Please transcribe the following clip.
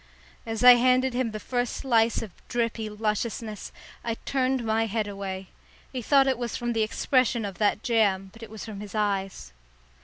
As I handed him the first slice of drippy lusciousness, I turned my head away. He thought it was from the expression of that jam, but it was from his eyes.